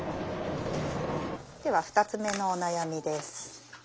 では２つ目のお悩みです。